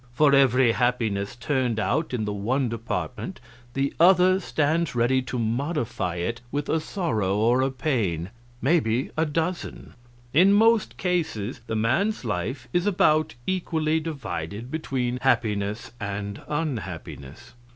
For every happiness turned out in the one department the other stands ready to modify it with a sorrow or a pain maybe a dozen. In most cases the man's life is about equally divided between happiness and unhappiness.